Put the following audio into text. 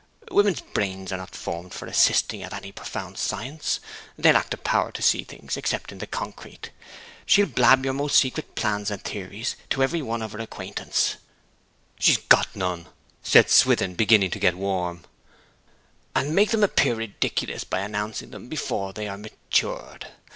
Women's brains are not formed for assisting at any profound science: they lack the power to see things except in the concrete. She'll blab your most secret plans and theories to every one of her acquaintance ' 'She's got none!' said Swithin, beginning to get warm. ' and make them appear ridiculous by announcing them before they are matured.